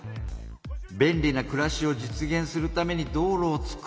便利なくらしを実現するために道路をつくるか？